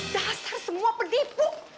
dasar semua penipu